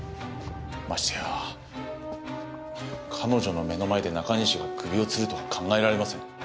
ましてや彼女の目の前で中西が首を吊るとは考えられません。